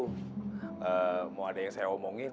mau ada yang saya omongin